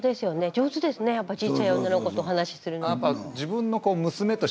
上手ですねやっぱちいちゃい女の子と話するの。